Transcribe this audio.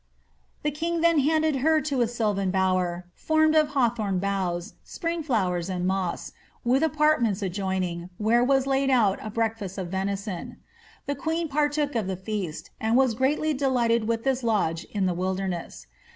The king then handed her to a sylvan bower, formed of hawthorn boughs, spring flowers, and moss, with apartments adjoining, where was laid out a breakfast of venison. The queen partook of the feast, and WIS greatly delighted with this lodge in the wilderness.